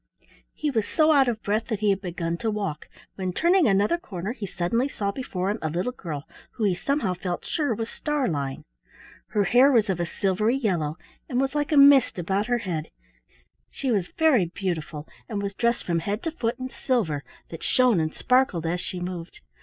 He was so out of breath that he had begun to walk, when turning another corner he suddenly saw before him a little girl who he somehow felt sure was Starlein. Her hair was of a silvery yellow and was like a mist about her head; she was very beautiful and was dressed from head to foot in silver that shone and sparkled as she moved.